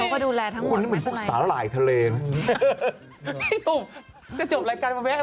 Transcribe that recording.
โปรดติดตามตอนต่อไป